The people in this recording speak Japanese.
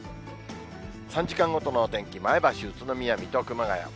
３時間ごとのお天気、前橋、宇都宮、水戸、熊谷。